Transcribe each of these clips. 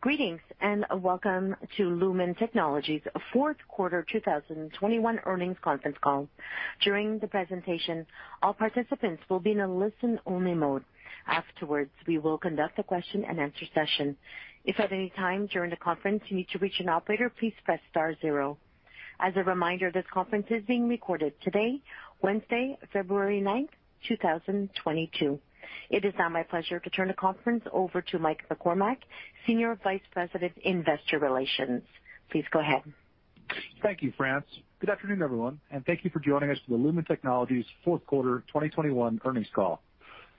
Greetings, and welcome to Lumen Technologies' fourth quarter 2021 earnings Conference call. During the presentation, all participants will be in a listen-only mode. Afterwards, we will conduct a question-and-answer session. If at any time during the conference you need to reach an operator, please press star zero. As a reminder, this conference is being recorded today, Wednesday, 9th February 2022. It is now my pleasure to turn the conference over to Mike McCormack, Senior Vice President, Investor Relations. Please go ahead. Thank you, France. Good afternoon, everyone, and thank you for joining us for the Lumen Technologies fourth quarter 2021 earnings call.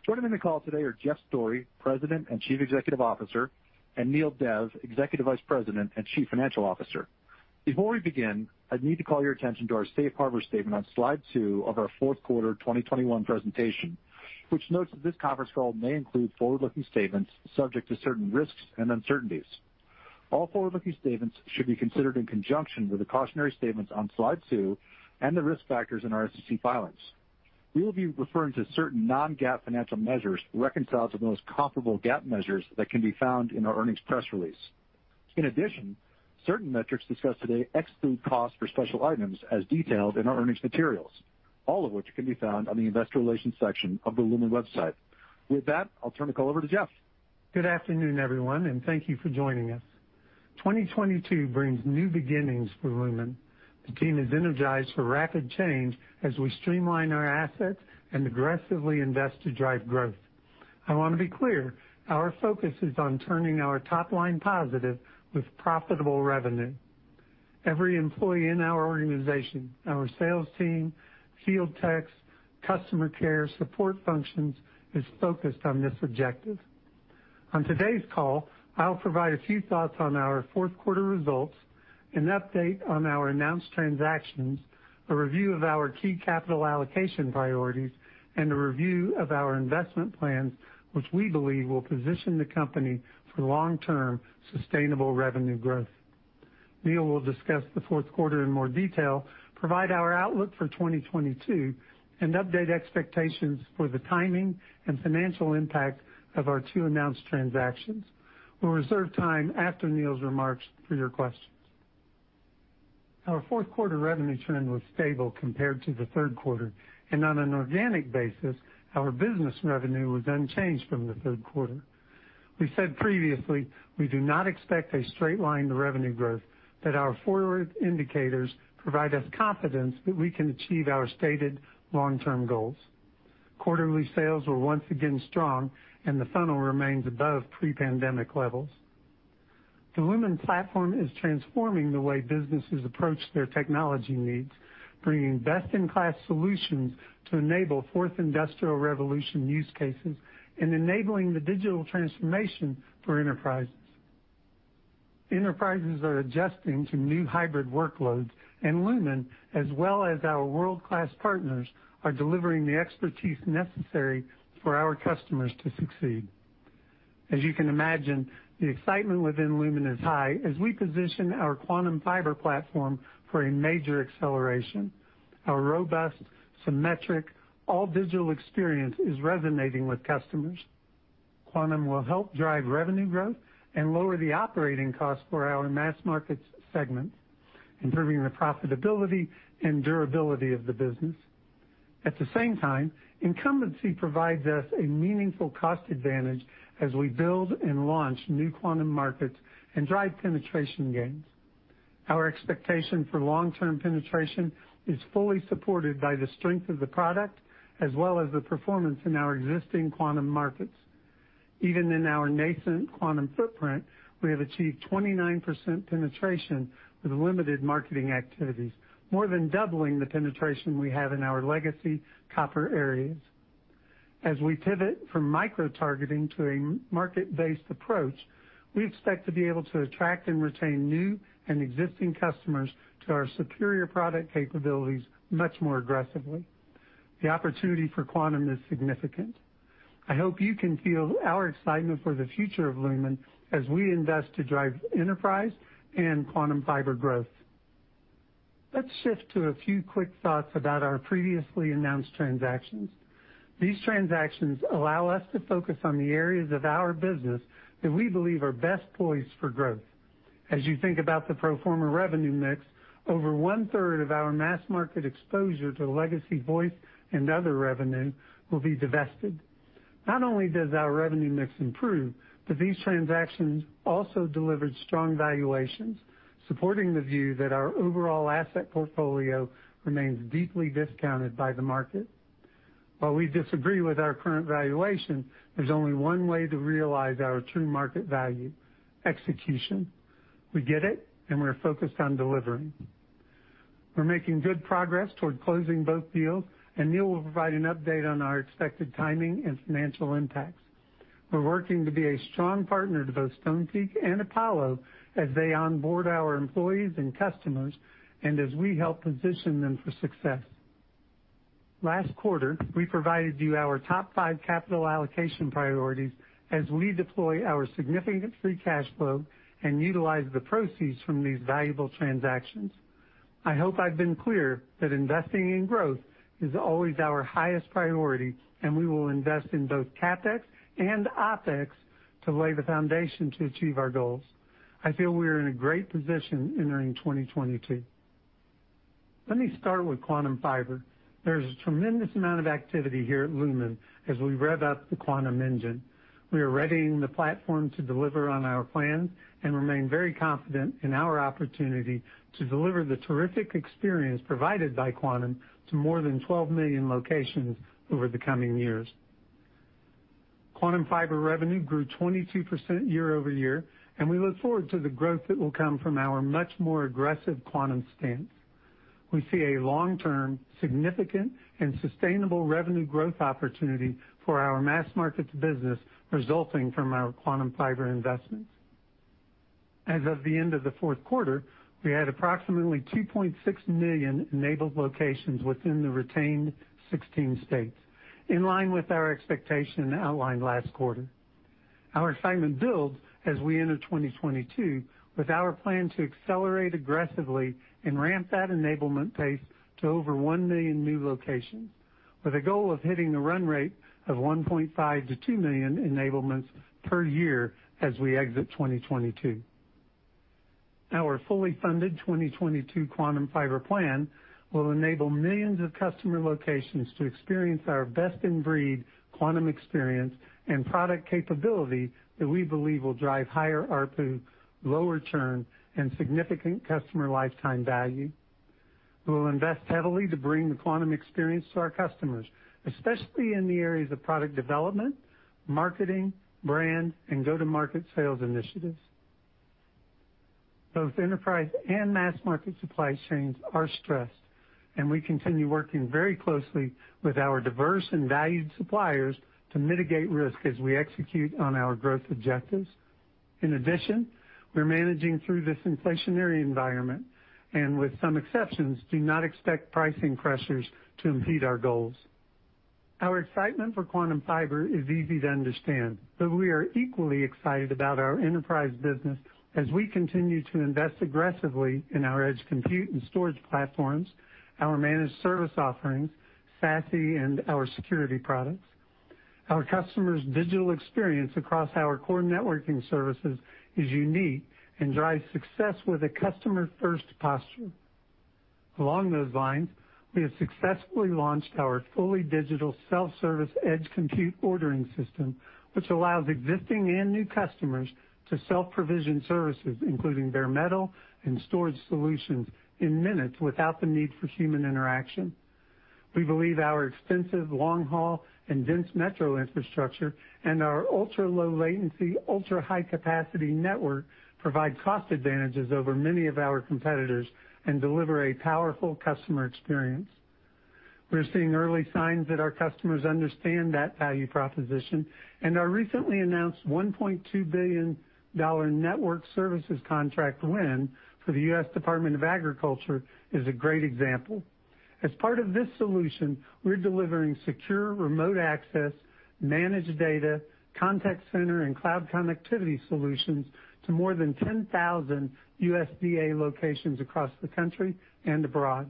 Joining me in the call today are Jeff Storey, President and Chief Executive Officer, and Neel Dev, Executive Vice President and Chief Financial Officer. Before we begin, I need to call your attention to our safe harbor statement on slide two of our fourth quarter 2021 presentation, which notes that this conference call may include forward-looking statements subject to certain risks and uncertainties. All forward-looking statements should be considered in conjunction with the cautionary statements on slide two and the risk factors in our SEC filings. We will be referring to certain non-GAAP financial measures reconciled to the most comparable GAAP measures that can be found in our earnings press release. In addition, certain metrics discussed today exclude costs for special items as detailed in our earnings materials, all of which can be found on the investor relations section of the Lumen website. With that, I'll turn the call over to Jeff. Good afternoon, everyone, and thank you for joining us. 2022 brings new beginnings for Lumen. The team is energized for rapid change as we streamline our assets and aggressively invest to drive growth. I wanna be clear, our focus is on turning our top line positive with profitable revenue. Every employee in our organization, our sales team, field techs, customer care, support functions, is focused on this objective. On today's call, I'll provide a few thoughts on our fourth quarter results, an update on our announced transactions, a review of our key capital allocation priorities, and a review of our investment plans, which we believe will position the company for long-term sustainable revenue growth. Neil will discuss the fourth quarter in more detail, provide our outlook for 2022, and update expectations for the timing and financial impact of our two announced transactions. We'll reserve time after Neil's remarks for your questions. Our fourth quarter revenue trend was stable compared to the third quarter, and on an organic basis, our business revenue was unchanged from the third quarter. We said previously we do not expect a straight line to revenue growth, that our forward indicators provide us confidence that we can achieve our stated long-term goals. Quarterly sales were once again strong, and the funnel remains above pre-pandemic levels. The Lumen platform is transforming the way businesses approach their technology needs, bringing best-in-class solutions to enable fourth industrial revolution use cases and enabling the digital transformation for enterprises. Enterprises are adjusting to new hybrid workloads, and Lumen, as well as our world-class partners, are delivering the expertise necessary for our customers to succeed. As you can imagine, the excitement within Lumen is high as we position our Quantum Fiber platform for a major acceleration. Our robust, symmetric, all-digital experience is resonating with customers. Quantum will help drive revenue growth and lower the operating costs for our Mass Markets segment, improving the profitability and durability of the business. At the same time, incumbency provides us a meaningful cost advantage as we build and launch new Quantum markets and drive penetration gains. Our expectation for long-term penetration is fully supported by the strength of the product as well as the performance in our existing Quantum markets. Even in our nascent Quantum footprint, we have achieved 29% penetration with limited marketing activities, more than doubling the penetration we have in our legacy copper areas. As we pivot from micro-targeting to a market-based approach, we expect to be able to attract and retain new and existing customers to our superior product capabilities much more aggressively. The opportunity for Quantum is significant. I hope you can feel our excitement for the future of Lumen as we invest to drive enterprise and Quantum Fiber growth. Let's shift to a few quick thoughts about our previously announced transactions. These transactions allow us to focus on the areas of our business that we believe are best poised for growth. As you think about the pro forma revenue mix, over one-third of our mass market exposure to legacy voice and other revenue will be divested. Not only does our revenue mix improve, but these transactions also delivered strong valuations, supporting the view that our overall asset portfolio remains deeply discounted by the market. While we disagree with our current valuation, there's only one way to realize our true market value: execution. We get it, and we're focused on delivering. We're making good progress toward closing both deals, and Neil will provide an update on our expected timing and financial impacts. We're working to be a strong partner to both Stonepeak and Apollo as they onboard our employees and customers and as we help position them for success. Last quarter, we provided you our top five capital allocation priorities as we deploy our significant free cash flow and utilize the proceeds from these valuable transactions. I hope I've been clear that investing in growth is always our highest priority, and we will invest in both CapEx and OpEx to lay the foundation to achieve our goals. I feel we are in a great position entering 2022. Let me start with Quantum Fiber. There's a tremendous amount of activity here at Lumen as we rev up the Quantum engine. We are readying the platform to deliver on our plans and remain very confident in our opportunity to deliver the terrific experience provided by Quantum to more than 12 million locations over the coming years. Quantum Fiber revenue grew 22% year-over-year, and we look forward to the growth that will come from our much more aggressive Quantum stance. We see a long-term, significant, and sustainable revenue growth opportunity for our mass markets business resulting from our Quantum Fiber investments. As of the end of the fourth quarter, we had approximately 2.6 million enabled locations within the retained 16 states, in line with our expectation outlined last quarter. Our excitement builds as we enter 2022 with our plan to accelerate aggressively and ramp that enablement pace to over 1 million new locations, with a goal of hitting a run rate of 1.5-2 million enablements per year as we exit 2022. Our fully funded 2022 Quantum Fiber plan will enable millions of customer locations to experience our best-in-breed Quantum experience and product capability that we believe will drive higher ARPU, lower churn, and significant customer lifetime value. We will invest heavily to bring the Quantum experience to our customers, especially in the areas of product development, marketing, brand, and go-to-market sales initiatives. Both enterprise and mass market supply chains are stressed, and we continue working very closely with our diverse and valued suppliers to mitigate risk as we execute on our growth objectives. In addition, we're managing through this inflationary environment and with some exceptions, do not expect pricing pressures to impede our goals. Our excitement for Quantum Fiber is easy to understand, but we are equally excited about our enterprise business as we continue to invest aggressively in our edge compute and storage platforms, our managed service offerings, SASE, and our security products. Our customers' digital experience across our core networking services is unique and drives success with a customer-first posture. Along those lines, we have successfully launched our fully digital self-service edge compute ordering system, which allows existing and new customers to self-provision services, including bare metal and storage solutions in minutes without the need for human interaction. We believe our extensive long-haul and dense metro infrastructure and our ultra-low latency, ultra-high capacity network provide cost advantages over many of our competitors and deliver a powerful customer experience. We're seeing early signs that our customers understand that value proposition, and our recently announced $1.2 billion network services contract win for the U.S. Department of Agriculture is a great example. As part of this solution, we're delivering secure remote access, managed data, contact center, and cloud connectivity solutions to more than 10,000 USDA locations across the country and abroad.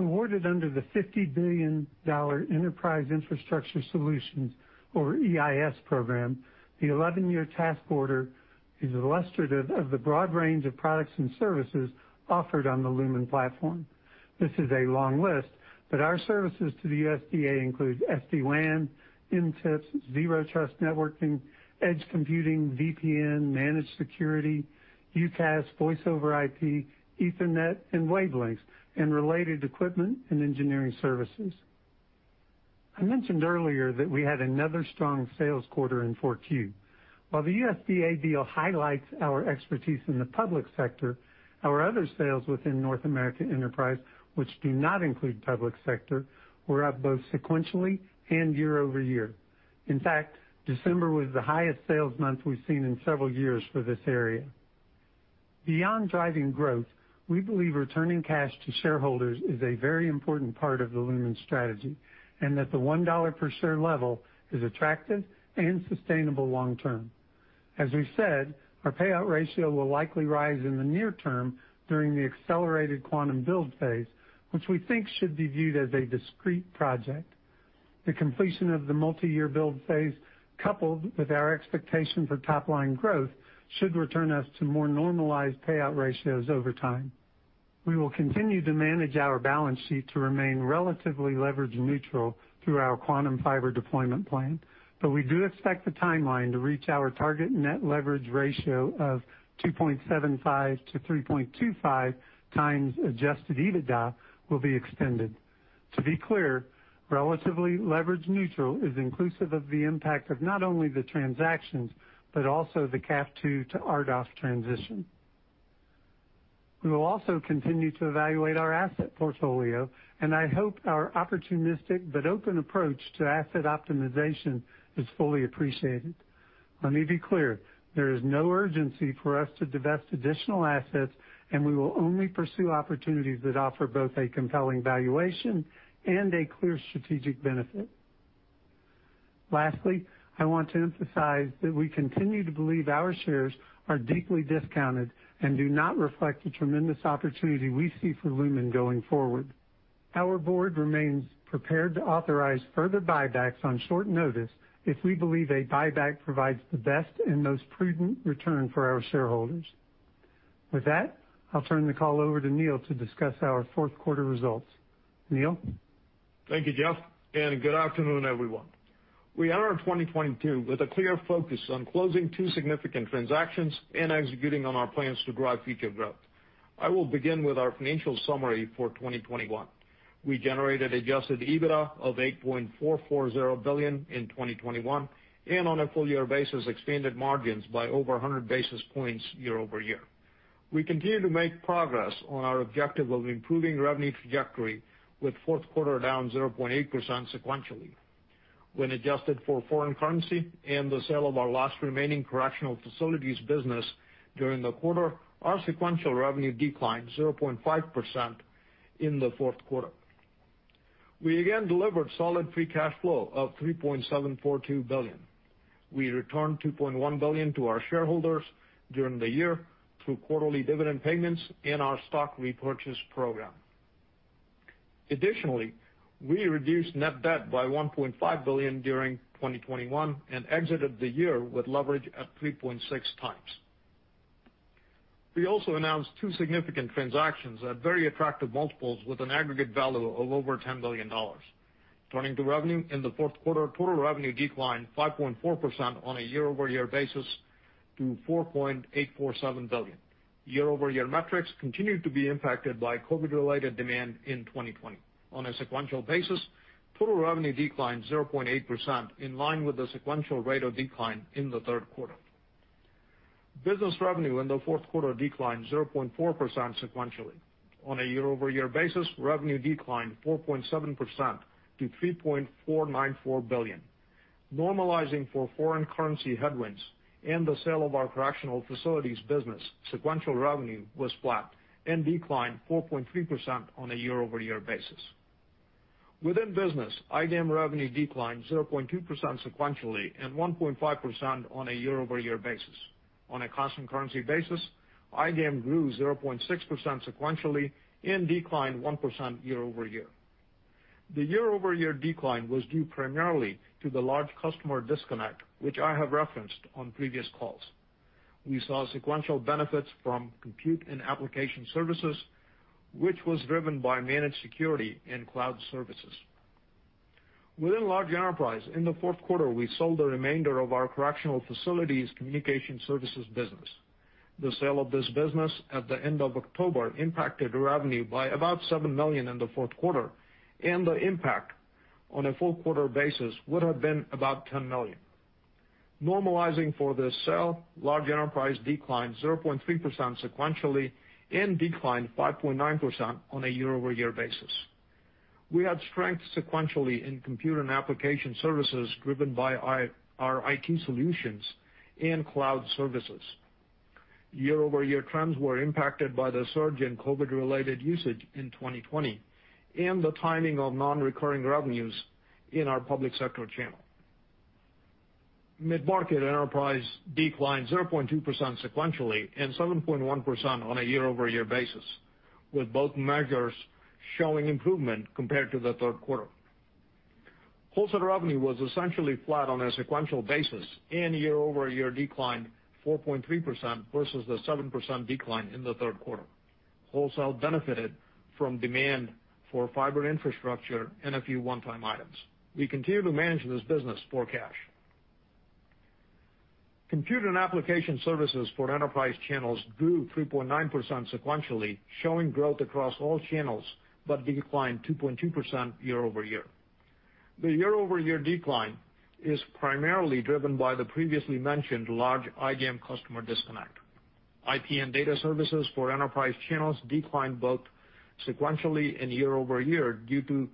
Awarded under the $50 billion Enterprise Infrastructure Solutions, or EIS program, the 11 year task order is illustrative of the broad range of products and services offered on the Lumen platform. This is a long list, but our services to the USDA include SD-WAN, MTIPS, zero trust networking, edge computing, VPN, managed security, UCaaS, voice over IP, Ethernet, and wavelengths, and related equipment and engineering services. I mentioned earlier that we had another strong sales quarter in 4Q. While the USDA deal highlights our expertise in the public sector, our other sales within North America Enterprise, which do not include public sector, were up both sequentially and year over year. In fact, December was the highest sales month we've seen in several years for this area. Beyond driving growth, we believe returning cash to shareholders is a very important part of the Lumen strategy, and that the $1 per share level is attractive and sustainable long term. As we said, our payout ratio will likely rise in the near term during the accelerated Quantum build phase, which we think should be viewed as a discrete project. The completion of the multi-year build phase, coupled with our expectation for top-line growth, should return us to more normalized payout ratios over time. We will continue to manage our balance sheet to remain relatively leverage neutral through our Quantum Fiber deployment plan, but we do expect the timeline to reach our target net leverage ratio of 2.75-3.25x adjusted EBITDA will be extended. To be clear, relatively leverage neutral is inclusive of the impact of not only the transactions, but also the CAF II to RDOF transition. We will also continue to evaluate our asset portfolio, and I hope our opportunistic but open approach to asset optimization is fully appreciated. Let me be clear, there is no urgency for us to divest additional assets, and we will only pursue opportunities that offer both a compelling valuation and a clear strategic benefit. Lastly, I want to emphasize that we continue to believe our shares are deeply discounted and do not reflect the tremendous opportunity we see for Lumen going forward. Our board remains prepared to authorize further buybacks on short notice if we believe a buyback provides the best and most prudent return for our shareholders. With that, I'll turn the call over to Neil Dev to discuss our fourth quarter results. Neil? Thank you, Jeff, and good afternoon, everyone. We entered 2022 with a clear focus on closing two significant transactions and executing on our plans to drive future growth. I will begin with our financial summary for 2021. We generated adjusted EBITDA of $8.440 billion in 2021, and on a full year basis, expanded margins by over 100 basis points year-over-year. We continue to make progress on our objective of improving revenue trajectory with fourth quarter down 0.8% sequentially. When adjusted for foreign currency and the sale of our last remaining correctional facilities business during the quarter, our sequential revenue declined 0.5% in the fourth quarter. We again delivered solid free cash flow of $3.742 billion. We returned $2.1 billion to our shareholders during the year through quarterly dividend payments in our stock repurchase program. Additionally, we reduced net debt by $1.5 billion during 2021 and exited the year with leverage at 3.6x. We also announced two significant transactions at very attractive multiples with an aggregate value of over $10 billion. Turning to revenue. In the fourth quarter, total revenue declined 5.4% on a year-over-year basis to $4.847 billion. Year-over-year metrics continued to be impacted by COVID-related demand in 2020. On a sequential basis, total revenue declined 0.8% in line with the sequential rate of decline in the third quarter. Business revenue in the fourth quarter declined 0.4% sequentially. On a year-over-year basis, revenue declined 4.7% to $3.494 billion. Normalizing for foreign currency headwinds and the sale of our correctional facilities business, sequential revenue was flat and declined 4.3% on a year-over-year basis. Within business, IDM revenue declined 0.2% sequentially and 1.5% on a year-over-year basis. On a constant currency basis, IDM grew 0.6% sequentially and declined 1% year-over-year. The year-over-year decline was due primarily to the large customer disconnect, which I have referenced on previous calls. We saw sequential benefits from compute and application services, which was driven by managed security and cloud services. Within large enterprise, in the fourth quarter, we sold the remainder of our correctional facilities communication services business. The sale of this business at the end of October impacted revenue by about $7 million in the fourth quarter, and the impact on a full quarter basis would have been about $10 million. Normalizing for the sale, large enterprise declined 0.3% sequentially and declined 5.9% on a year-over-year basis. We had strength sequentially in computer and application services driven by our IT solutions and cloud services. Year-over-year trends were impacted by the surge in COVID-related usage in 2020 and the timing of non-recurring revenues in our public sector channel. Mid-market enterprise declined 0.2% sequentially and 7.1% on a year-over-year basis, with both measures showing improvement compared to the third quarter. Wholesale revenue was essentially flat on a sequential basis and year-over-year declined 4.3% versus the 7% decline in the third quarter. Wholesale benefited from demand for fiber infrastructure and a few one-time items. We continue to manage this business for cash. Computer and application services for enterprise channels grew 3.9% sequentially, showing growth across all channels, but declined 2.2% year-over-year. The year-over-year decline is primarily driven by the previously mentioned large IDM customer disconnect. IP and data services for enterprise channels declined both sequentially and year-over-year due to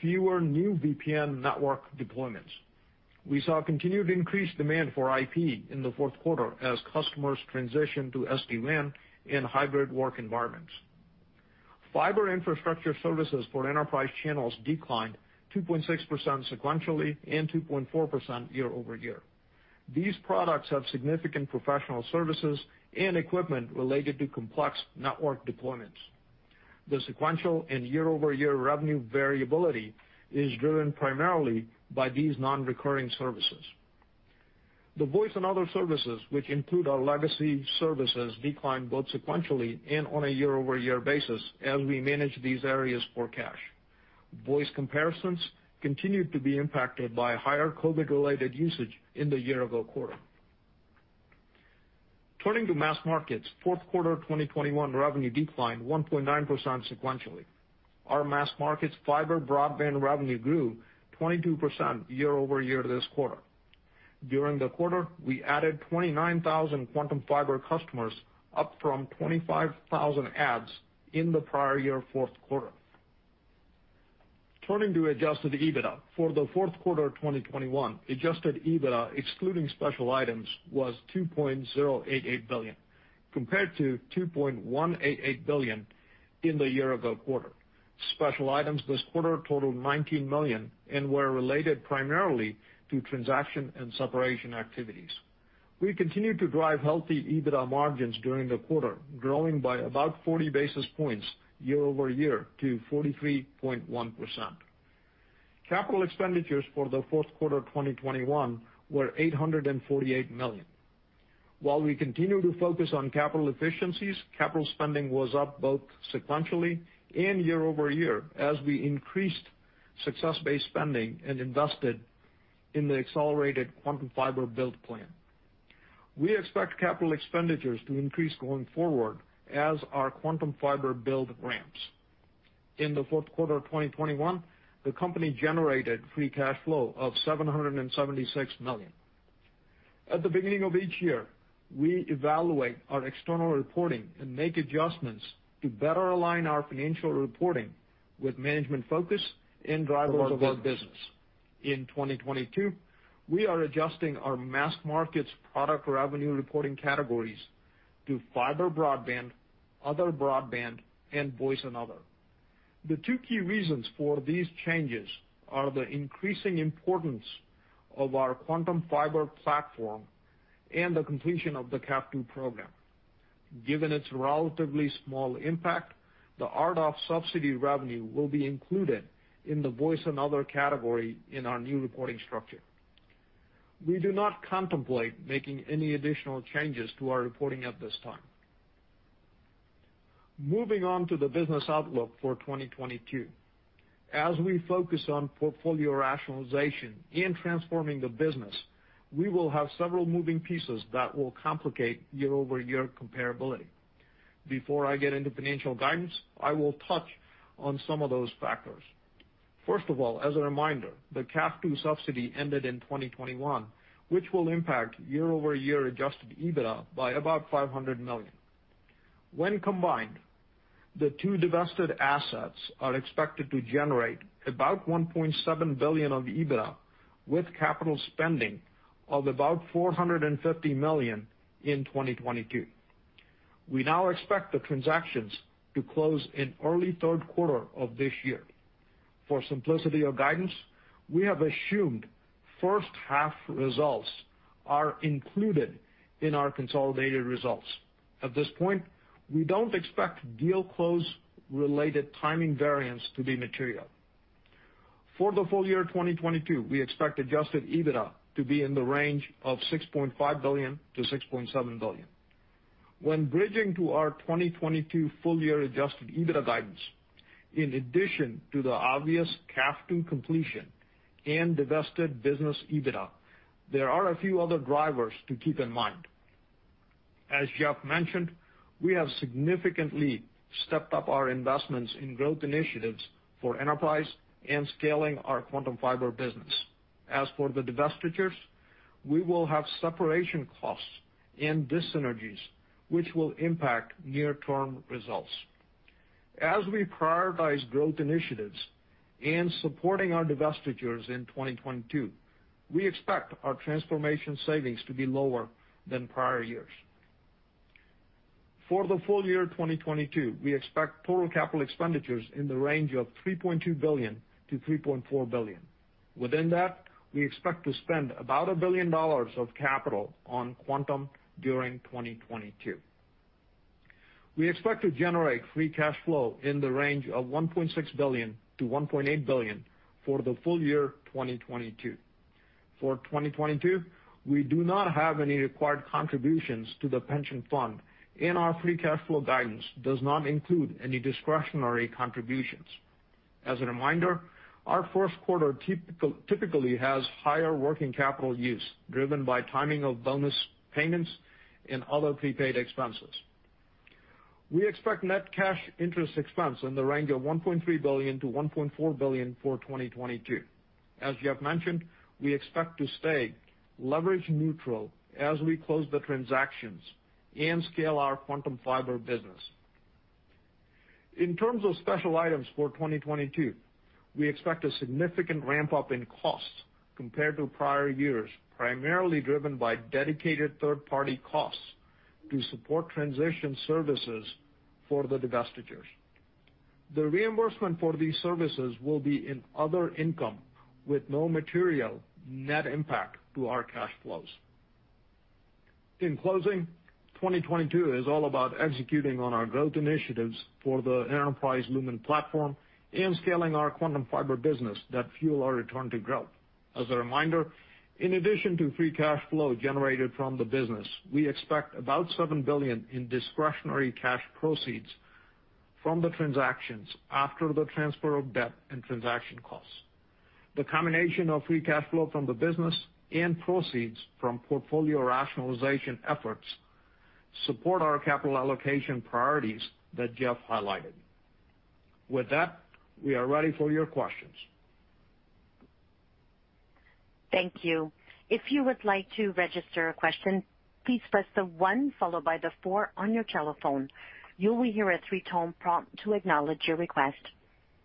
fewer new VPN network deployments. We saw continued increased demand for IP in the fourth quarter as customers transitioned to SD-WAN in hybrid work environments. Fiber infrastructure services for enterprise channels declined 2.6% sequentially and 2.4% year-over-year. These products have significant professional services and equipment related to complex network deployments. The sequential and year-over-year revenue variability is driven primarily by these non-recurring services. The voice and other services, which include our legacy services, declined both sequentially and on a year-over-year basis as we manage these areas for cash. Voice comparisons continued to be impacted by higher COVID-related usage in the year ago quarter. Turning to mass markets, fourth quarter 2021 revenue declined 1.9% sequentially. Our mass markets fiber broadband revenue grew 22% year-over-year this quarter. During the quarter, we added 29,000 Quantum Fiber customers, up from 25,000 adds in the prior year fourth quarter. Turning to adjusted EBITDA. For the fourth quarter 2021, adjusted EBITDA, excluding special items, was $2.088 billion, compared to $2.188 billion in the year ago quarter. Special items this quarter totaled $19 million and were related primarily to transaction and separation activities. We continued to drive healthy EBITDA margins during the quarter, growing by about 40 basis points year-over-year to 43.1%. Capital expenditures for the fourth quarter of 2021 were $848 million. While we continue to focus on capital efficiencies, capital spending was up both sequentially and year-over-year as we increased success-based spending and invested in the accelerated Quantum Fiber build plan. We expect capital expenditures to increase going forward as our Quantum Fiber build ramps. In the fourth quarter of 2021, the company generated free cash flow of $776 million. At the beginning of each year, we evaluate our external reporting and make adjustments to better align our financial reporting with management focus and drivers of our business. In 2022, we are adjusting our mass markets product revenue reporting categories to fiber broadband, other broadband, and voice and other. The two key reasons for these changes are the increasing importance of our Quantum Fiber platform and the completion of the CAFII program. Given its relatively small impact, the RDOF subsidy revenue will be included in the voice and other category in our new reporting structure. We do not contemplate making any additional changes to our reporting at this time. Moving on to the business outlook for 2022. As we focus on portfolio rationalization in transforming the business, we will have several moving pieces that will complicate year-over-year comparability. Before I get into financial guidance, I will touch on some of those factors. First of all, as a reminder, the CAFII subsidy ended in 2021, which will impact year-over-year adjusted EBITDA by about $500 million. When combined, the two divested assets are expected to generate about $1.7 billion of EBITDA with capital spending of about $450 million in 2022. We now expect the transactions to close in early third quarter of this year. For simplicity of guidance, we have assumed first half results are included in our consolidated results. At this point, we don't expect deal close related timing variance to be material. For the full year 2022, we expect adjusted EBITDA to be in the range of $6.5 billion-$6.7 billion. When bridging to our 2022 full year adjusted EBITDA guidance, in addition to the obvious CAFII completion and divested business EBITDA, there are a few other drivers to keep in mind. As Jeff mentioned, we have significantly stepped up our investments in growth initiatives for enterprise and scaling our Quantum Fiber business. As for the divestitures, we will have separation costs and dis-synergies which will impact near-term results. As we prioritize growth initiatives and supporting our divestitures in 2022, we expect our transformation savings to be lower than prior years. For the full year 2022, we expect total capital expenditures in the range of $3.2 billion-$3.4 billion. Within that, we expect to spend about $1 billion of capital on Quantum Fiber during 2022. We expect to generate free cash flow in the range of $1.6 billion-$1.8 billion for the full year 2022. For 2022, we do not have any required contributions to the pension fund, and our free cash flow guidance does not include any discretionary contributions. As a reminder, our first quarter typically has higher working capital use, driven by timing of bonus payments and other prepaid expenses. We expect net cash interest expense in the range of $1.3 billion-$1.4 billion for 2022. As Jeff mentioned, we expect to stay leverage neutral as we close the transactions and scale our Quantum Fiber business. In terms of special items for 2022, we expect a significant ramp up in costs compared to prior years, primarily driven by dedicated third-party costs to support transition services for the divestitures. The reimbursement for these services will be in other income with no material net impact to our cash flows. In closing, 2022 is all about executing on our growth initiatives for the enterprise Lumen platform and scaling our Quantum Fiber business that fuel our return to growth. As a reminder, in addition to free cash flow generated from the business, we expect about $7 billion in discretionary cash proceeds from the transactions after the transfer of debt and transaction costs. The combination of free cash flow from the business and proceeds from portfolio rationalization efforts support our capital allocation priorities that Jeff highlighted. With that, we are ready for your questions. Thank you. If you would like to register a question, please press the one followed by the four on your telephone. You will hear a three-tone prompt to acknowledge your request.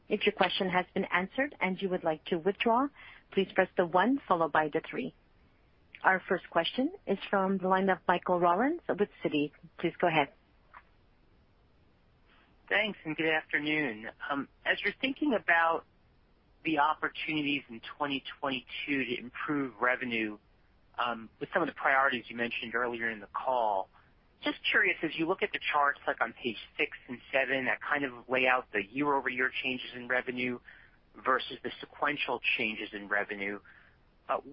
If your question has been answered and you would like to withdraw, please press the one followed by the three. Our first question is from the line of Michael Rollins of Citi. Please go ahead. Thanks, and good afternoon. As you're thinking about the opportunities in 2022 to improve revenue, with some of the priorities you mentioned earlier in the call, just curious, as you look at the charts like on page six and seven that kind of lay out the year-over-year changes in revenue versus the sequential changes in revenue,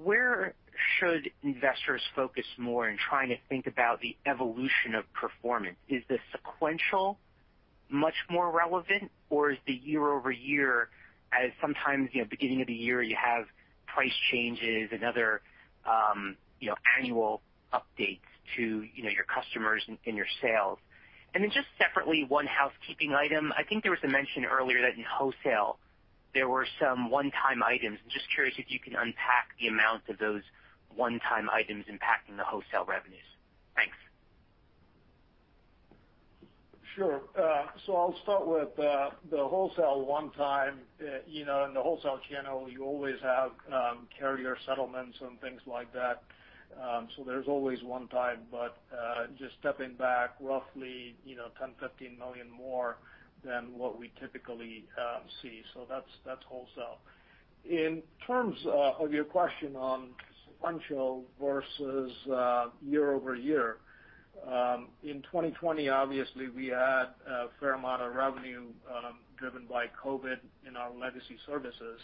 where should investors focus more in trying to think about the evolution of performance? Is the sequential much more relevant, or is the year-over-year as sometimes, you know, beginning of the year, you have price changes and other, you know, annual updates to, you know, your customers and your sales? Just separately, one housekeeping item. I think there was a mention earlier that in wholesale, there were some one-time items. I'm just curious if you can unpack the amount of those one-time items impacting the wholesale revenues. Thanks. Sure. So I'll start with the wholesale one-time. You know, in the wholesale channel, you always have carrier settlements and things like that. So there's always one-time, but just stepping back roughly, you know, $10-$15 million more than what we typically see. So that's wholesale. In terms of your question on sequential versus year-over-year, in 2020, obviously we had a fair amount of revenue driven by COVID in our legacy services.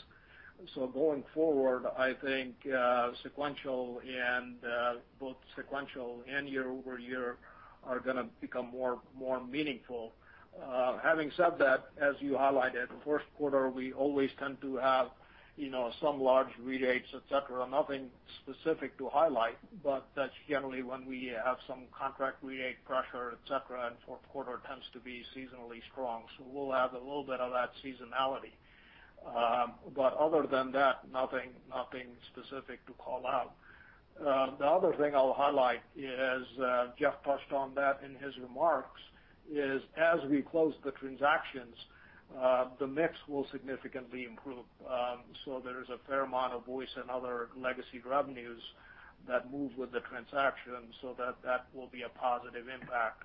So going forward, I think sequential and both sequential and year-over-year are gonna become more meaningful. Having said that, as you highlighted, fourth quarter, we always tend to have, you know, some large rebates, et cetera, nothing specific to highlight, but that's generally when we have some contract rebate pressure, et cetera, and fourth quarter tends to be seasonally strong. We'll have a little bit of that seasonality. Other than that, nothing specific to call out. The other thing I'll highlight is, Jeff touched on that in his remarks, is as we close the transactions, the mix will significantly improve. There is a fair amount of voice and other legacy revenues that move with the transaction, so that will be a positive impact,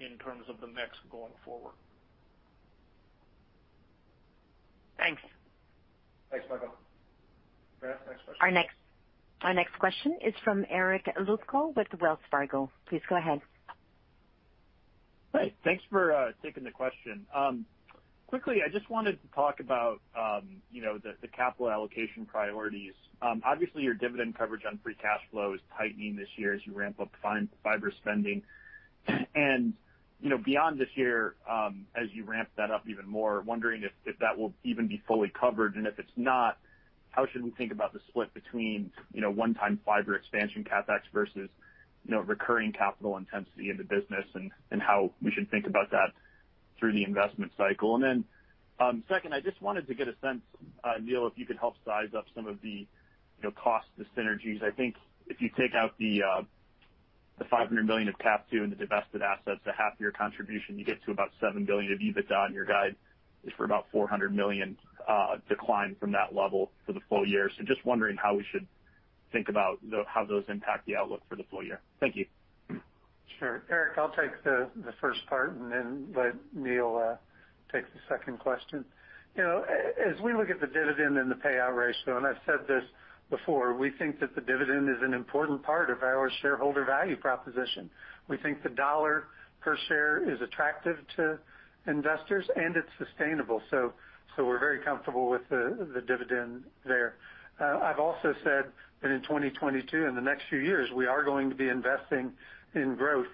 in terms of the mix going forward. Thanks. Thanks, Michael. Grant, next question. Our next question is from Eric Lutsko with Wells Fargo. Please go ahead. Hey, thanks for taking the question. Quickly, I just wanted to talk about, you know, the capital allocation priorities. Obviously, your dividend coverage on free cash flow is tightening this year as you ramp up fiber spending. You know, beyond this year, as you ramp that up even more, wondering if that will even be fully covered, and if it's not, how should we think about the split between, you know, one-time fiber expansion CapEx versus, you know, recurring capital intensity in the business and how we should think about that through the investment cycle? Then, second, I just wanted to get a sense, Neil, if you could help size up some of the, you know, cost synergies. I think if you take out the $500 million of CapEx and the divested assets, the half year contribution, you get to about $7 billion of EBITDA, and your guide is for about $400 million decline from that level for the full year. Just wondering how we should think about how those impact the outlook for the full year. Thank you. Sure. Eric, I'll take the first part and then let Neil take the second question. You know, as we look at the dividend and the payout ratio, and I've said this before, we think that the dividend is an important part of our shareholder value proposition. We think the dollar per share is attractive to investors, and it's sustainable. We're very comfortable with the dividend there. I've also said that in 2022, in the next few years, we are going to be investing in growth.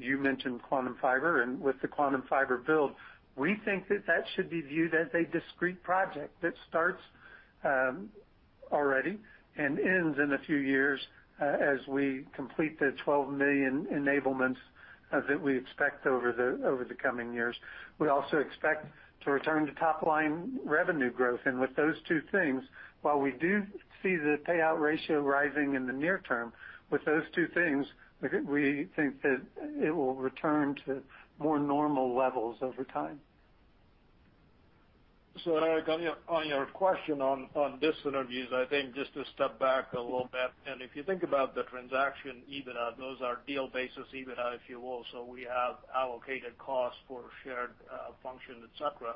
You mentioned Quantum Fiber, and with the Quantum Fiber build, we think that should be viewed as a discrete project that starts already and ends in a few years as we complete the 12 million enablements that we expect over the coming years. We also expect to return to top line revenue growth. With those two things, while we do see the payout ratio rising in the near term, with those two things, we think that it will return to more normal levels over time. Eric, on your question on these interviews, I think just to step back a little bit, and if you think about the transaction EBITDA, those are deal basis EBITDA, if you will. We have allocated costs for shared function, et cetera.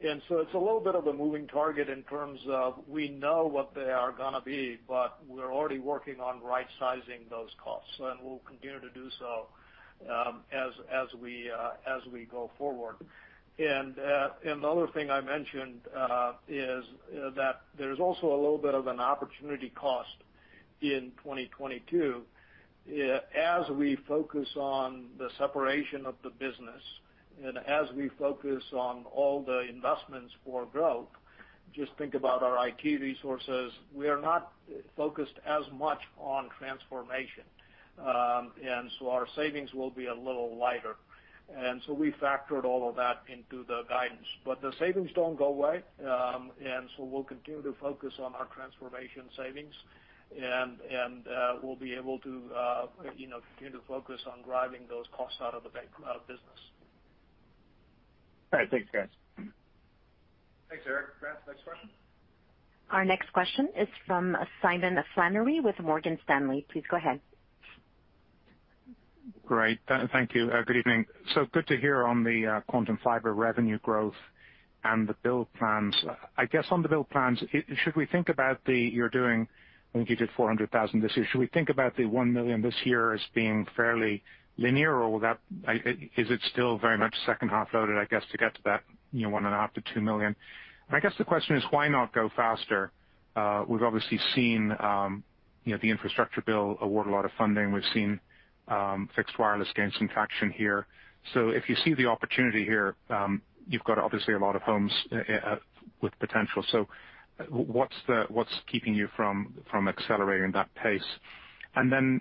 It's a little bit of a moving target in terms of we know what they are gonna be, but we're already working on right sizing those costs, and we'll continue to do so, as we go forward. The other thing I mentioned is that there's also a little bit of an opportunity cost in 2022. As we focus on the separation of the business and as we focus on all the investments for growth, just think about our IT resources. We are not focused as much on transformation, and so our savings will be a little lighter. We factored all of that into the guidance. The savings don't go away, and so we'll continue to focus on our transformation savings, and we'll be able to, you know, continue to focus on driving those costs out of the business. All right. Thanks, guys. Thanks, Eric. Fran, next question. Our next question is from Simon Flannery with Morgan Stanley. Please go ahead. Great. Thank you. Good evening. Good to hear on the Quantum Fiber revenue growth and the build plans. I guess on the build plans, should we think about you're doing, I think you did 400,000 this year. Should we think about the 1 million this year as being fairly linear, or will that is it still very much second half loaded, I guess, to get to that 1.5 million-2 million? I guess the question is why not go faster? We've obviously seen the infrastructure bill award a lot of funding. We've seen fixed wireless gain some traction here. If you see the opportunity here, you've got obviously a lot of homes with potential. What's keeping you from accelerating that pace?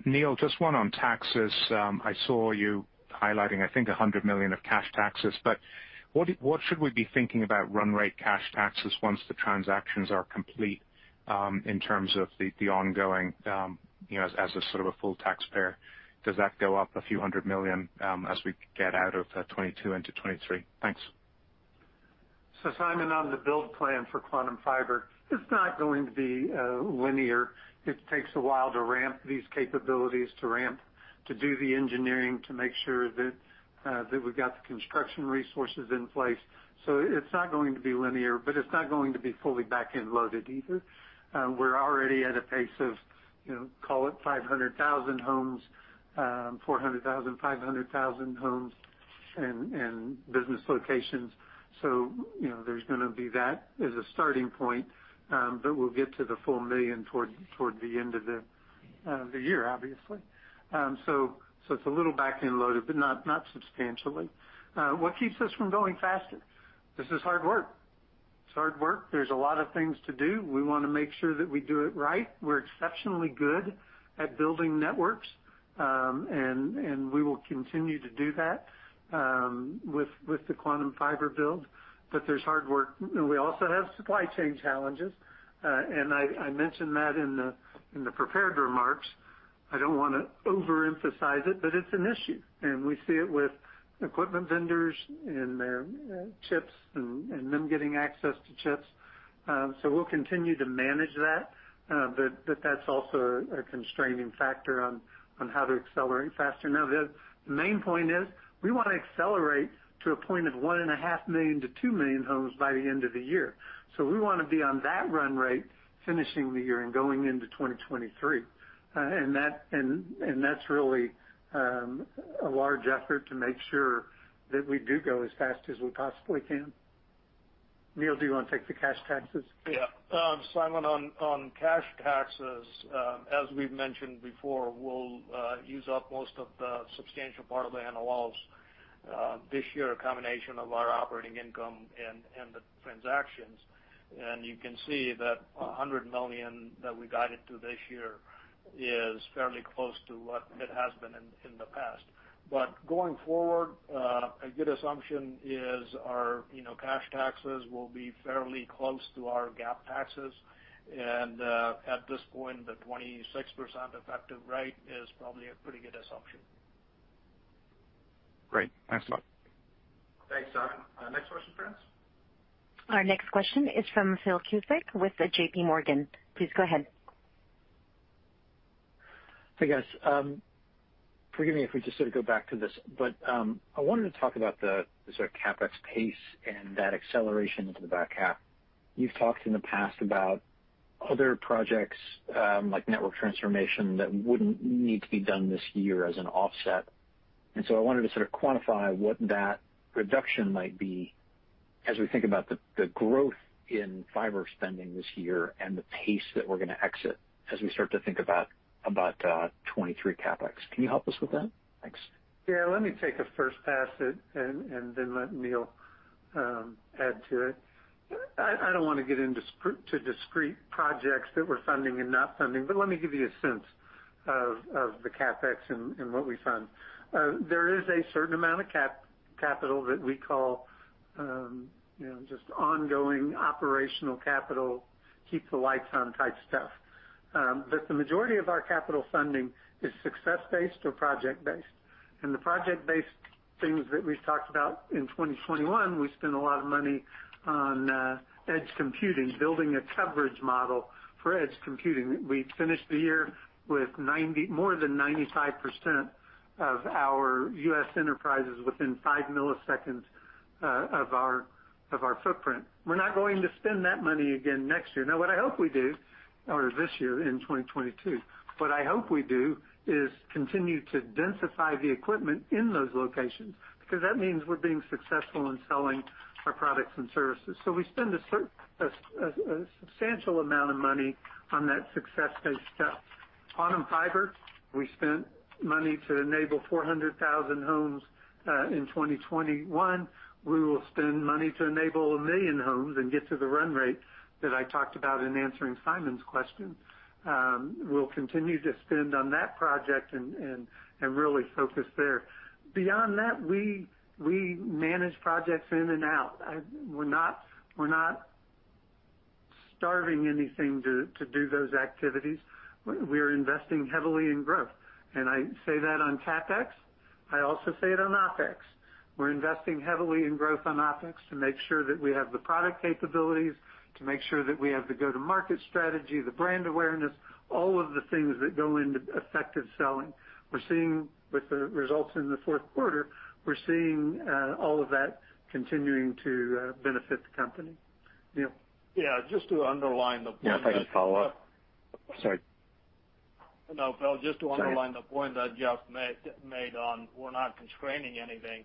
Neil, just one on taxes. I saw you highlighting, I think, $100 million of cash taxes. What should we be thinking about run rate cash taxes once the transactions are complete, in terms of the ongoing, as a sort of a full taxpayer? Does that go up $a few hundred million, as we get out of 2022 into 2023? Thanks. Simon, on the build plan for Quantum Fiber, it's not going to be linear. It takes a while to ramp these capabilities, to do the engineering, to make sure that we've got the construction resources in place. It's not going to be linear, but it's not going to be fully back-end loaded either. We're already at a pace of, you know, call it 500,000 homes, 400,000, 500,000 homes and business locations. You know, there's gonna be that as a starting point, but we'll get to the full 1 million toward the end of the year, obviously. It's a little back-end loaded, but not substantially. What keeps us from going faster? This is hard work. There's a lot of things to do. We wanna make sure that we do it right. We're exceptionally good at building networks, and we will continue to do that, with the Quantum Fiber build. There's hard work. We also have supply chain challenges, and I mentioned that in the prepared remarks. I don't wanna overemphasize it, but it's an issue, and we see it with equipment vendors and their chips and them getting access to chips. We'll continue to manage that, but that's also a constraining factor on how to accelerate faster. Now, the main point is we wanna accelerate to a point of 1.5 million-2 million homes by the end of the year. We wanna be on that run rate finishing the year and going into 2023. That's really a large effort to make sure that we do go as fast as we possibly can. Neil, do you wanna take the cash taxes? Yeah. Simon, on cash taxes, as we've mentioned before, we'll use up most of the substantial part of the annual NOLs this year, a combination of our operating income and the transactions. You can see that $100 million that we guided to this year is fairly close to what it has been in the past. Going forward, a good assumption is our, you know, cash taxes will be fairly close to our GAAP taxes. At this point, the 26% effective rate is probably a pretty good assumption. Great. Thanks a lot. Thanks, Simon. Next question, Fran. Our next question is from Phil Cusick with J.P. Morgan. Please go ahead. Hi, guys. Forgive me if we just sort of go back to this, but I wanted to talk about the sort of CapEx pace and that acceleration into the back half. You've talked in the past about other projects, like network transformation, that wouldn't need to be done this year as an offset. I wanted to sort of quantify what that reduction might be as we think about the growth in fiber spending this year and the pace that we're gonna exit as we start to think about 2023 CapEx. Can you help us with that? Thanks. Yeah. Let me take a first pass at it, and then let Neil add to it. I don't wanna get into discrete projects that we're funding and not funding, but let me give you a sense of the CapEx and what we fund. There is a certain amount of capital that we call, you know, just ongoing operational capital, keep the lights on type stuff. But the majority of our capital funding is success-based or project-based. The project-based things that we've talked about in 2021, we spent a lot of money on edge computing, building a coverage model for edge computing. We finished the year with more than 95% of our U.S. enterprises within 5 ms of our footprint. We're not going to spend that money again next year. Now, what I hope we do, or this year in 2022, what I hope we do is continue to densify the equipment in those locations, because that means we're being successful in selling our products and services. We spend a substantial amount of money on that success-based stuff. Quantum Fiber, we spent money to enable 400,000 homes in 2021. We will spend money to enable 1 million homes and get to the run rate that I talked about in answering Simon's question. We'll continue to spend on that project and really focus there. Beyond that, we manage projects in and out. We're not starving anything to do those activities. We are investing heavily in growth, and I say that on CapEx. I also say it on OpEx. We're investing heavily in growth on OpEx to make sure that we have the product capabilities, to make sure that we have the go-to-market strategy, the brand awareness, all of the things that go into effective selling. With the results in the fourth quarter, we're seeing all of that continuing to benefit the company. Neil? Yeah. Just to underline the point that Yeah, if I could follow up. Sorry. No, Phil. Sorry. Just to underline the point that Jeff made. We're not constraining anything.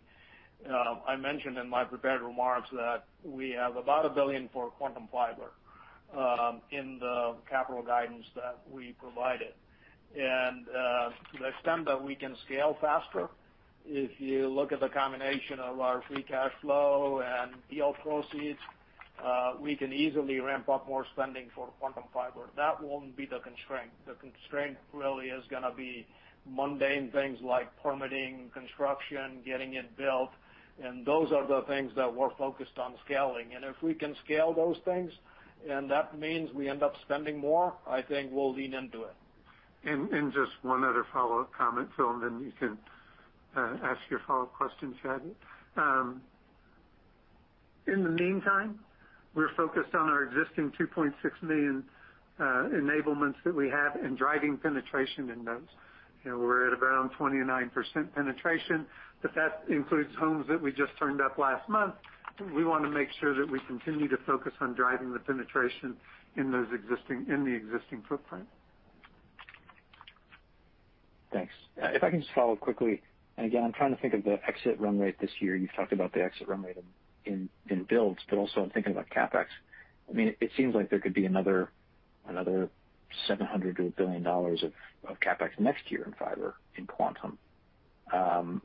I mentioned in my prepared remarks that we have about $1 billion for Quantum Fiber in the capital guidance that we provided. To the extent that we can scale faster, if you look at the combination of our free cash flow and deal proceeds, we can easily ramp up more spending for Quantum Fiber. That won't be the constraint. The constraint really is gonna be mundane things like permitting, construction, getting it built, and those are the things that we're focused on scaling. If we can scale those things, and that means we end up spending more, I think we'll lean into it. Just one other follow-up comment, Phil, and then you can ask your follow-up question, Chad. In the meantime, we're focused on our existing 2.6 million enablements that we have in driving penetration in those. You know, we're at around 29% penetration, but that includes homes that we just turned up last month. We wanna make sure that we continue to focus on driving the penetration in the existing footprint. Thanks. If I can just follow quickly, and again, I'm trying to think of the exit run rate this year. You've talked about the exit run rate in builds, but also I'm thinking about CapEx. I mean, it seems like there could be another $700-$1 billion of CapEx next year in fiber, in Quantum. Are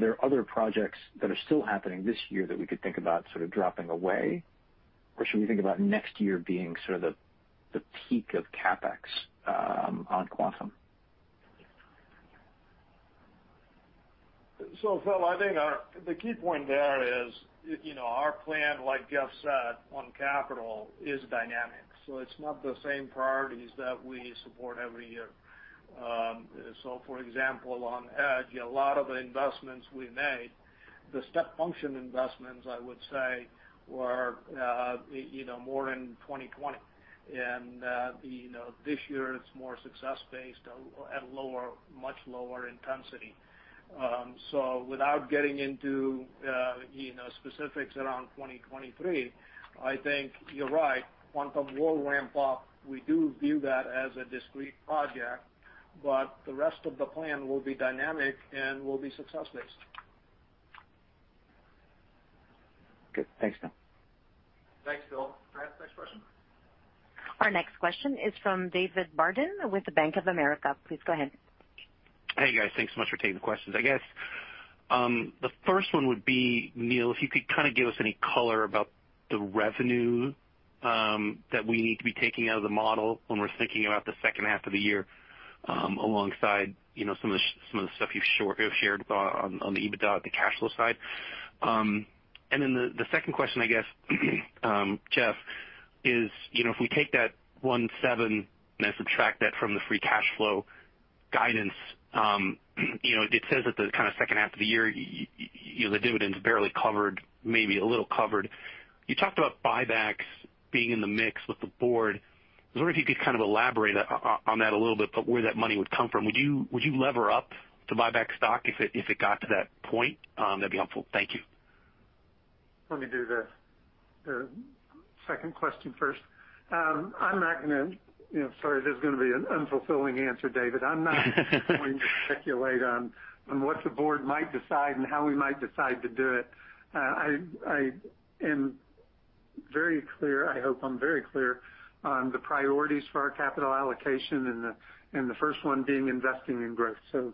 there other projects that are still happening this year that we could think about sort of dropping away? Or should we think about next year being sort of the peak of CapEx on Quantum? Phil, I think the key point there is, you know, our plan, like Jeff said, on capital is dynamic, so it's not the same priorities that we support every year. For example, on Edge, a lot of the investments we made, the step function investments, I would say, were more in 2020. This year it's more success based at lower, much lower intensity. Without getting into specifics around 2023, I think you're right, Quantum will ramp up. We do view that as a discrete project, but the rest of the plan will be dynamic and will be success based. Good. Thanks, Phil. Thanks, Phil. Can I ask the next question? Our next question is from David Barden with Bank of America. Please go ahead. Hey, guys. Thanks so much for taking the questions. I guess the first one would be, Neil, if you could kinda give us any color about the revenue that we need to be taking out of the model when we're thinking about the second half of the year, alongside, you know, some of the stuff you've shared on the EBITDA, the cash flow side. The second question I guess, Jeff, is, you know, if we take that $17 and then subtract that from the free cash flow guidance, you know, it says that the kinda second half of the year, you know, the dividend's barely covered, maybe a little covered. You talked about buybacks being in the mix with the board. I was wondering if you could kind of elaborate on that a little bit, but where that money would come from. Would you lever up to buy back stock if it got to that point? That'd be helpful. Thank you. Let me do the second question first. I'm not gonna, you know. Sorry, this is gonna be an unfulfilling answer, David. I'm not going to speculate on what the board might decide and how we might decide to do it. I am very clear, I hope I'm very clear on the priorities for our capital allocation and the first one being investing in growth. You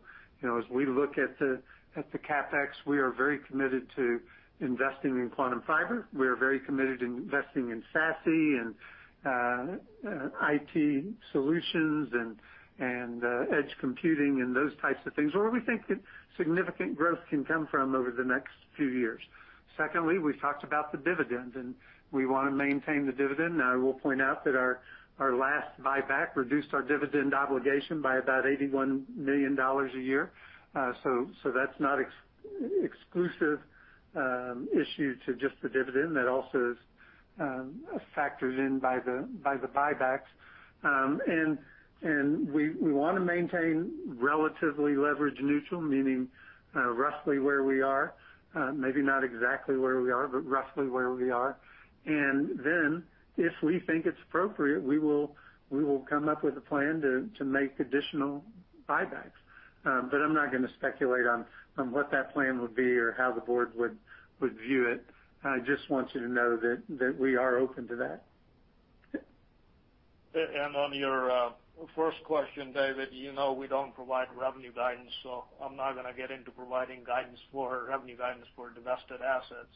know, as we look at the CapEx, we are very committed to investing in Quantum Fiber. We are very committed in investing in SASE and IT solutions and edge computing and those types of things, where we think that significant growth can come from over the next few years. Secondly, we've talked about the dividend, and we wanna maintain the dividend. I will point out that our last buyback reduced our dividend obligation by about $81 million a year. That's not exclusive issue to just the dividend. That also is factored in by the buybacks. We wanna maintain relatively leverage neutral, meaning roughly where we are, maybe not exactly where we are, but roughly where we are. If we think it's appropriate, we will come up with a plan to make additional buybacks. I'm not gonna speculate on what that plan would be or how the board would view it. I just want you to know that we are open to that. On your first question, David, we don't provide revenue guidance, so I'm not gonna get into providing revenue guidance for divested assets.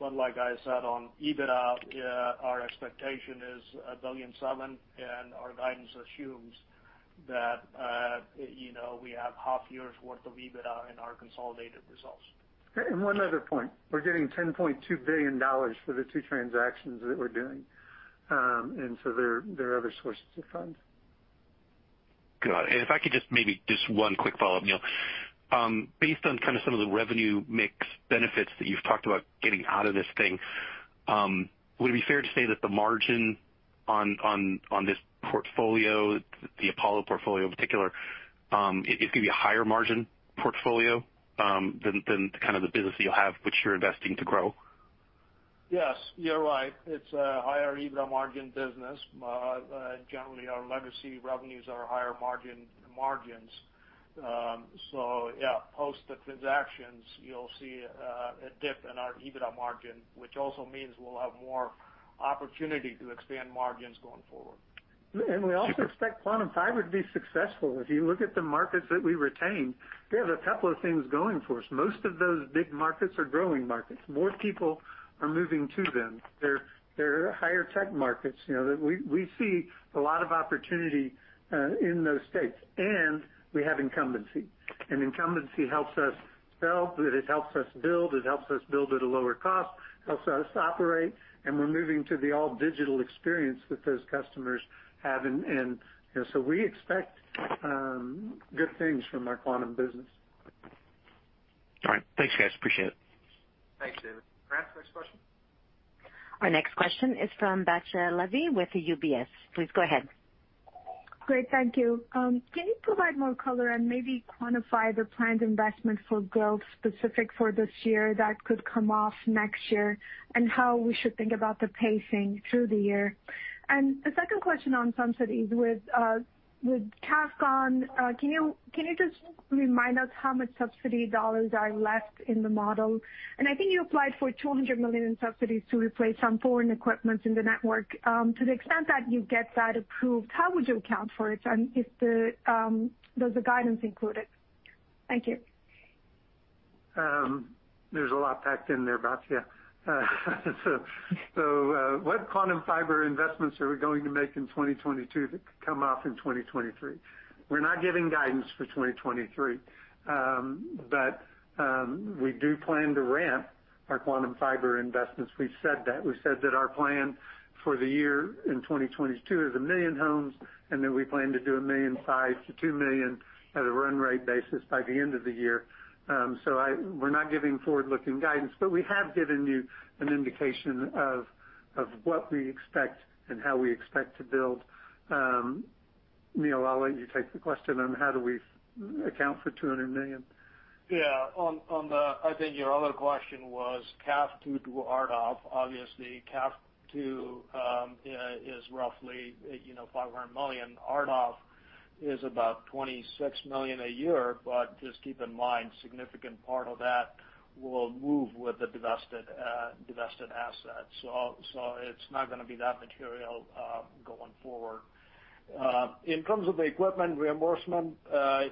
Like I said, on EBITDA, our expectation is $1.7 billion, and our guidance assumes that we have half year's worth of EBITDA in our consolidated results. One other point. We're getting $10.2 billion for the two transactions that we're doing. There are other sources of funds. Got it. If I could just maybe just one quick follow-up, Neil. Based on kind of some of the revenue mix benefits that you've talked about getting out of this thing, would it be fair to say that the margin on this portfolio, the Apollo portfolio in particular, it is gonna be a higher margin portfolio, than kind of the business that you'll have which you're investing to grow? Yes, you're right. It's a higher EBITDA margin business. Generally, our legacy revenues are higher margin. Yeah, post the transactions, you'll see a dip in our EBITDA margin, which also means we'll have more opportunity to expand margins going forward. We also expect Quantum Fiber to be successful. If you look at the markets that we retain, we have a couple of things going for us. Most of those big markets are growing markets. More people are moving to them. They're higher tech markets. You know, that we see a lot of opportunity in those states, and we have incumbency. Incumbency helps us sell, it helps us build at a lower cost, helps us operate, and we're moving to the all digital experience that those customers have. You know, we expect good things from our Quantum business. All right. Thanks, guys. Appreciate it. Thanks, David. Brad, next question. Our next question is from Batya Levy with UBS. Please go ahead. Great. Thank you. Can you provide more color and maybe quantify the planned investment for growth specific for this year that could come off next year, and how we should think about the pacing through the year? The second question on subsidies. With CAF gone, can you just remind us how much subsidy dollars are left in the model? I think you applied for $200 million in subsidies to replace some foreign equipment in the network. To the extent that you get that approved, how would you account for it? Does the guidance include it? Thank you. There's a lot packed in there, Batya. What Quantum Fiber investments are we going to make in 2022 that could come off in 2023? We're not giving guidance for 2023. We do plan to ramp our Quantum Fiber investments. We've said that. We said that our plan for the year in 2022 is 1 million homes, and that we plan to do 1.5 million-2 million at a run rate basis by the end of the year. We're not giving forward-looking guidance, but we have given you an indication of what we expect and how we expect to build. Neil, I'll let you take the question on how do we account for $200 million. Yeah. On the I think your other question was CAFII to RDOF. Obviously, CAFII is roughly, you know, $500 million. RDOF is about $26 million a year. Just keep in mind, significant part of that will move with the divested assets. So it's not gonna be that material going forward. In terms of the equipment reimbursement,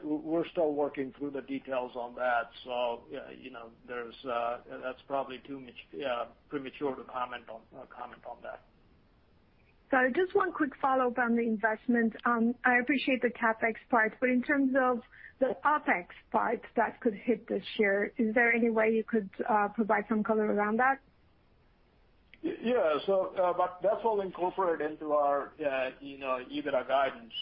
we're still working through the details on that. So, you know, that's probably too premature to comment on that. Just one quick follow-up on the investment. I appreciate the CapEx part, but in terms of the OpEx part that could hit this year, is there any way you could provide some color around that? Yeah. That's all incorporated into our, you know, EBITDA guidance.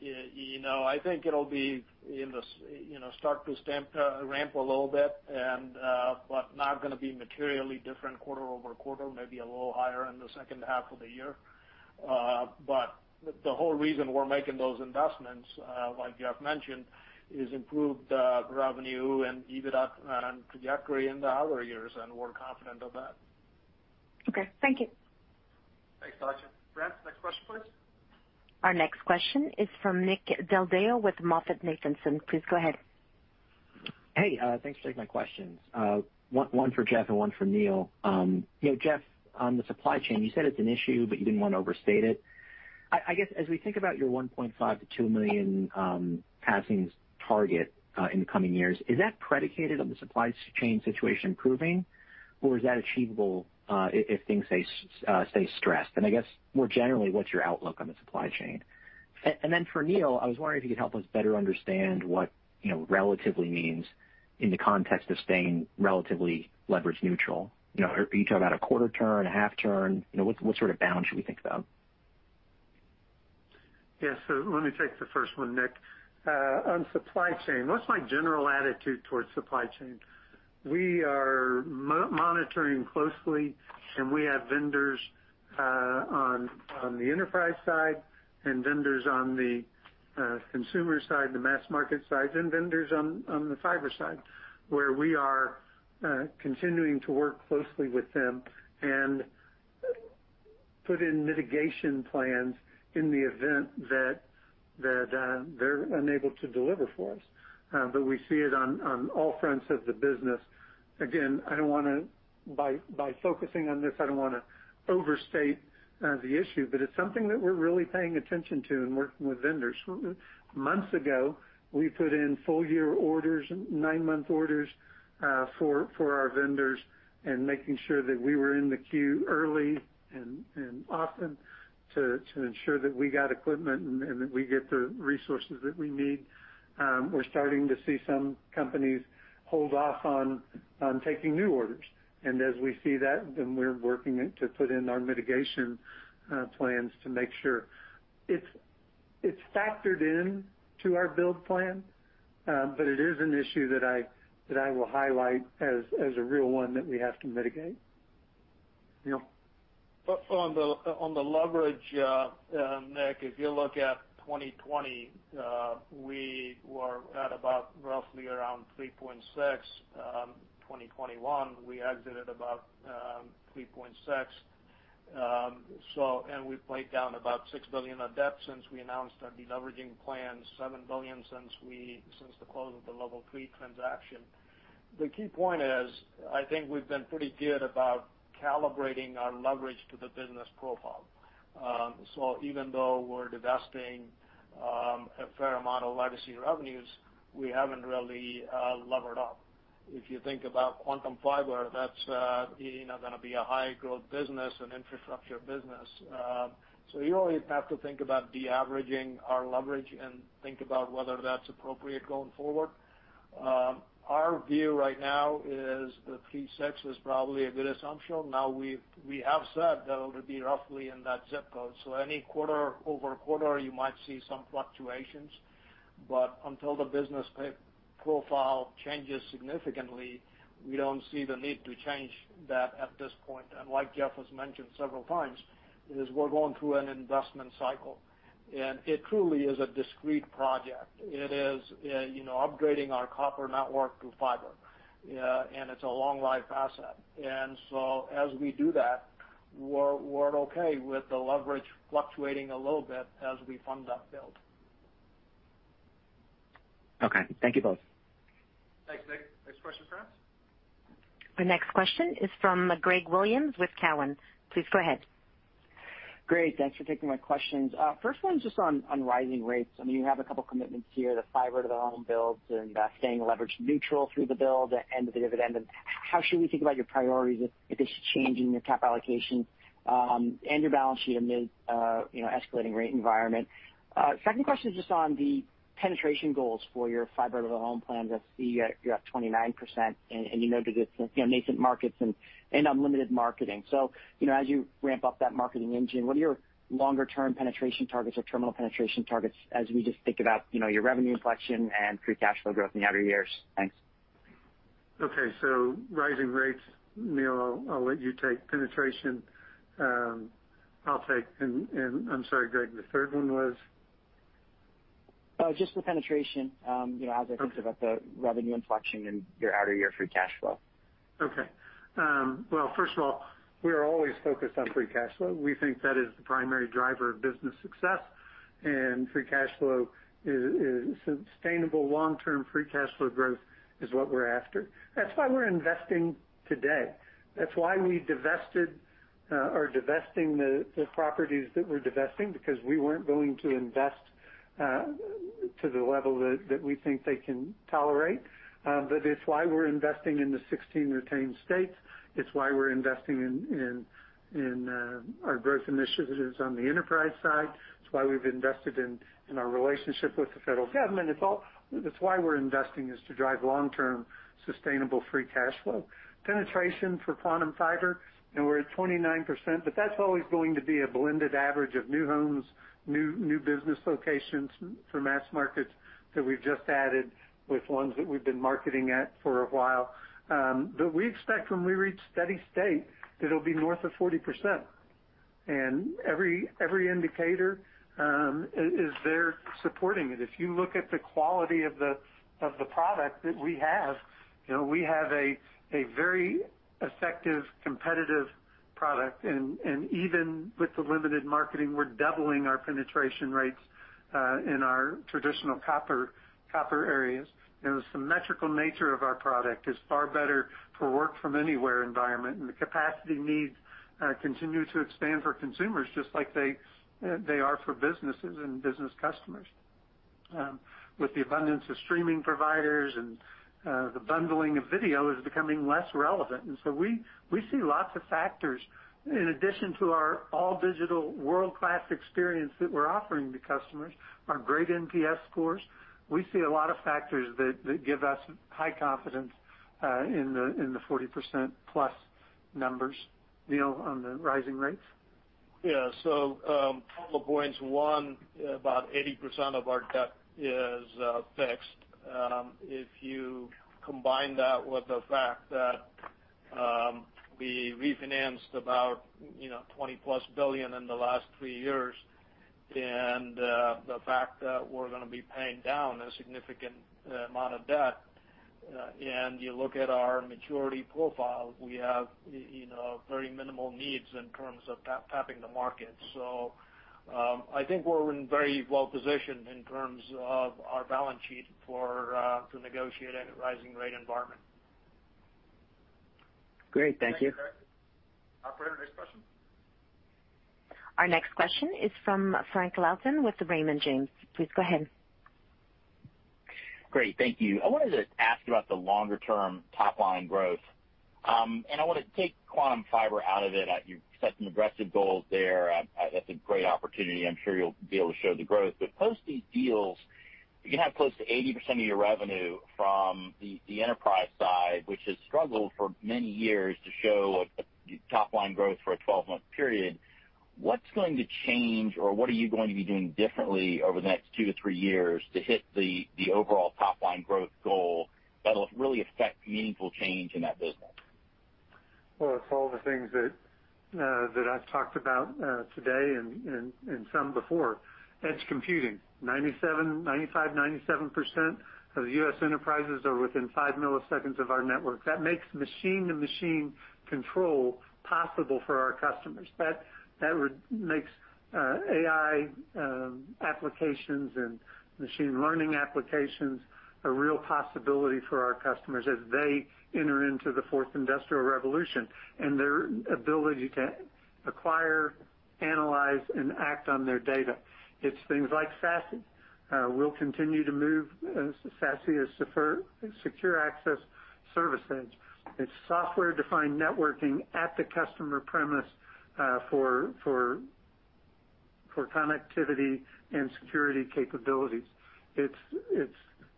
You know, I think it'll start to ramp a little bit and not gonna be materially different quarter-over-quarter, maybe a little higher in the second half of the year. The whole reason we're making those investments, like Jeff mentioned, is improved revenue and EBITDA and trajectory in the outer years, and we're confident of that. Okay. Thank you. Thanks, Batya. Brad, next question, please. Our next question is from Nick Deldeo with MoffettNathanson. Please go ahead. Hey, thanks for taking my questions. One for Jeff and one for Neil. You know, Jeff, on the supply chain, you said it's an issue, but you didn't wanna overstate it. I guess as we think about your 1.5-2 million passings target in the coming years, is that predicated on the supply chain situation improving, or is that achievable if things stay stressed? I guess more generally, what's your outlook on the supply chain? Then for Neil, I was wondering if you could help us better understand what, you know, relatively means in the context of staying relatively leverage neutral. You know, are you talking about a quarter turn, a half turn? You know, what sort of bound should we think about? Let me take the first one, Nick. On supply chain, what's my general attitude towards supply chain? We are monitoring closely, and we have vendors on the enterprise side and vendors on the consumer side, the mass market side, and vendors on the fiber side, where we are continuing to work closely with them and put in mitigation plans in the event that they're unable to deliver for us. But we see it on all fronts of the business. Again, by focusing on this, I don't wanna overstate the issue, but it's something that we're really paying attention to and working with vendors. Months ago, we put in full year orders, nine-month orders, for our vendors and making sure that we were in the queue early and often to ensure that we got equipment and that we get the resources that we need. We're starting to see some companies hold off on taking new orders. As we see that, then we're working to put in our mitigation plans to make sure. It's factored in to our build plan, but it is an issue that I will highlight as a real one that we have to mitigate. Neil? On the leverage, Nick, if you look at 2020, we were at about roughly around 3.6. 2021, we exited about 3.6. We paid down about $6 billion of debt since we announced our de-leveraging plan, $7 billion since the close of the Level three transaction. The key point is, I think we've been pretty good about calibrating our leverage to the business profile. Even though we're divesting a fair amount of legacy revenues, we haven't really levered up. If you think about Quantum Fiber, that's, you know, gonna be a high growth business and infrastructure business. You always have to think about de-averaging our leverage and think about whether that's appropriate going forward. Our view right now is the 3.6 is probably a good assumption. Now we have said that it'll be roughly in that ZIP code. Any quarter-over-quarter, you might see some fluctuations. Until the business profile changes significantly, we don't see the need to change that at this point. Like Jeff has mentioned several times, we're going through an investment cycle, and it truly is a discrete project. It is, you know, upgrading our copper network to fiber, and it's a long life asset. As we do that, we're okay with the leverage fluctuating a little bit as we fund that build. Okay. Thank you both. Thanks, Nick. Next question, France. The next question is from Greg Williams with Cowen. Please go ahead. Great. Thanks for taking my questions. First one is just on rising rates. I mean, you have a couple commitments here, the fiber to the home builds and staying leverage neutral through the build and the dividend. How should we think about your priorities if it's changing your cap allocation and your balance sheet amid you know escalating rate environment? Second question is just on the penetration goals for your fiber to the home plans. I see you're at 29%, and you noted it's you know nascent markets and unlimited marketing. You know, as you ramp up that marketing engine, what are your longer term penetration targets or terminal penetration targets as we just think about you know your revenue inflection and free cash flow growth in the outer years? Thanks. Okay. Rising rates, Neil, I'll let you take. Penetration, I'll take. I'm sorry, Greg, the third one was? Just the penetration, you know, as I think about the revenue inflection in your outer year free cash flow. Okay. Well, first of all, we are always focused on free cash flow. We think that is the primary driver of business success, and free cash flow is sustainable long-term free cash flow growth is what we're after. That's why we're investing today. That's why we're divesting the properties that we're divesting because we weren't willing to invest to the level that we think they can tolerate. It's why we're investing in the 16 retained states. It's why we're investing in our growth initiatives on the enterprise side. It's why we've invested in our relationship with the federal government. It's all. It's why we're investing to drive long-term sustainable free cash flow. Penetration for Quantum Fiber, you know, we're at 29%, but that's always going to be a blended average of new homes, new business locations for mass markets that we've just added with ones that we've been marketing at for a while. We expect when we reach steady state that it'll be north of 40%. Every indicator is there supporting it. If you look at the quality of the product that we have, you know, we have a very effective, competitive product. Even with the limited marketing, we're doubling our penetration rates in our traditional copper areas. You know, the symmetrical nature of our product is far better for work from anywhere environment, and the capacity needs continue to expand for consumers just like they are for businesses and business customers. With the abundance of streaming providers and the bundling of video is becoming less relevant. We see lots of factors in addition to our all digital world-class experience that we're offering to customers, our great NPS scores. We see a lot of factors that give us high confidence in the 40%+ numbers. Neil, on the rising rates? Yeah. Couple of points. One, about 80% of our debt is fixed. If you combine that with the fact that we refinanced about, you know, $20+ billion in the last three years and the fact that we're gonna be paying down a significant amount of debt, and you look at our maturity profile, we have, you know, very minimal needs in terms of tapping the market. I think we're very well positioned in terms of our balance sheet to negotiate a rising rate environment. Great. Thank you. Thank you, Doug. Operator, next question. Our next question is from Frank Louthan with Raymond James. Please go ahead. Great. Thank you. I wanted to ask about the longer-term top line growth. I want to take Quantum Fiber out of it. You've set some aggressive goals there. That's a great opportunity. I'm sure you'll be able to show the growth. Post these deals, you have close to 80% of your revenue from the enterprise side, which has struggled for many years to show a top line growth for a 12 month period. What's going to change or what are you going to be doing differently over the next 2-3 years to hit the overall top line growth goal that'll really affect meaningful change in that business? Well, it's all the things that I've talked about today and some before. Edge computing, 97% of U.S. enterprises are within five milliseconds of our network. That makes machine-to-machine control possible for our customers. That would make AI applications and machine learning applications a real possibility for our customers as they enter into the fourth industrial revolution and their ability to acquire, analyze, and act on their data. It's things like SASE. We'll continue to move SASE, which is secure access service edge. It's software-defined networking at the customer premise for connectivity and security capabilities. It's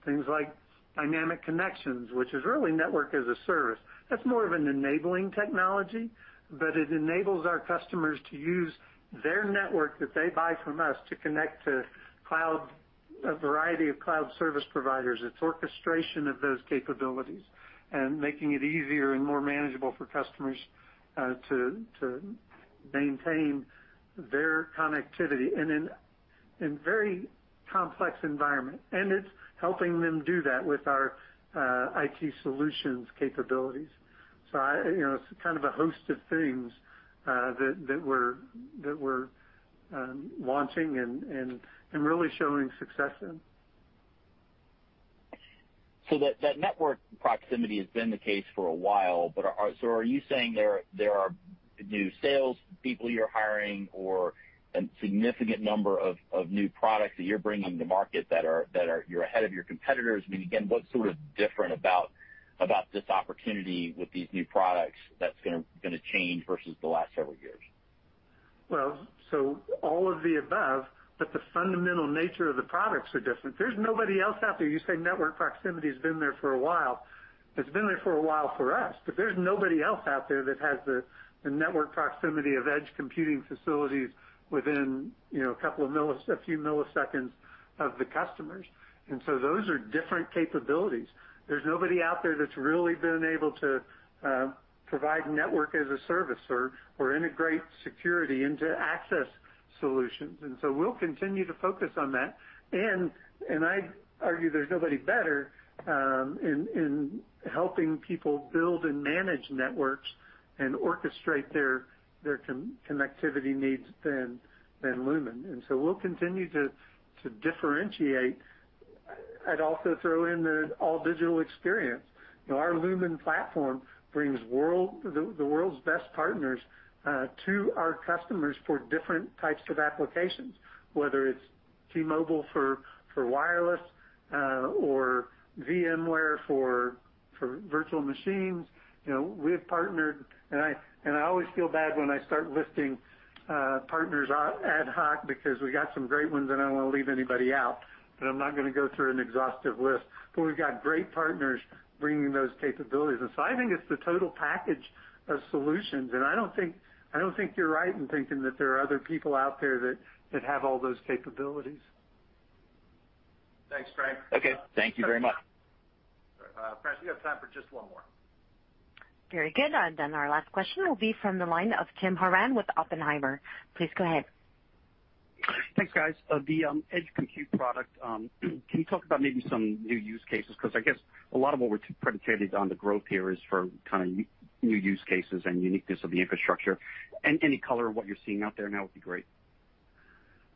things like dynamic connections, which is really network as a service. That's more of an enabling technology, but it enables our customers to use their network that they buy from us to connect to cloud, a variety of cloud service providers. It's orchestration of those capabilities and making it easier and more manageable for customers to maintain their connectivity in very complex environment. It's helping them do that with our IT solutions capabilities. I, you know, it's kind of a host of things that we're launching and really showing success in. That network proximity has been the case for a while. Are you saying there are new sales people you're hiring or a significant number of new products that you're bringing to market that are you're ahead of your competitors? I mean, again, what's sort of different about this opportunity with these new products that's gonna change versus the last several years? Well, all of the above, but the fundamental nature of the products are different. There's nobody else out there. You say network proximity has been there for a while. It's been there for a while for us, but there's nobody else out there that has the network proximity of edge computing facilities within, you know, a few milliseconds of the customers. Those are different capabilities. There's nobody out there that's really been able to provide network as a service or integrate security into access solutions. We'll continue to focus on that. I argue there's nobody better in helping people build and manage networks and orchestrate their connectivity needs than Lumen. We'll continue to differentiate. I'd also throw in the all-digital experience. You know, our Lumen platform brings the world's best partners to our customers for different types of applications, whether it's T-Mobile for wireless or VMware for virtual machines. You know, we have partnered, and I always feel bad when I start listing partners ad hoc because we got some great ones, and I don't want to leave anybody out, but I'm not gonna go through an exhaustive list. But we've got great partners bringing those capabilities. I think it's the total package of solutions, and I don't think you're right in thinking that there are other people out there that have all those capabilities. Thanks, Frank. Okay. Thank you very much. Frank, we have time for just one more. Very good. Our last question will be from the line of Tim Horan with Oppenheimer. Please go ahead. Thanks, guys. The Edge Compute product, can you talk about maybe some new use cases? Because I guess a lot of what we're predicating on the growth here is for kind of new use cases and uniqueness of the infrastructure. Any color of what you're seeing out there now would be great.